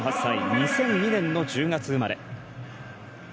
２００２年の１０月生まれ。